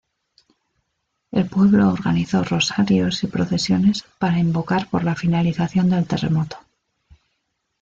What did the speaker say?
El pueblo organizó rosarios y procesiones para invocar por la finalización del terremoto.